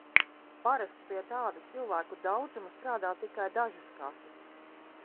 Parasti pie tāda cilvēku daudzuma strādā tikai dažas kases.